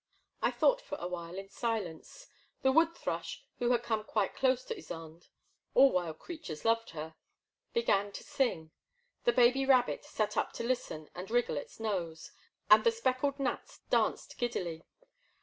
I thought for a while in silence. The wood thrush, who had come quite close to Ysonde — all wild creatures loved her — ^began to sing. The baby rabbit sat up to listen and wriggle its nose, and the speckled gnats danced giddily.